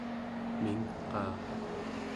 mingqaa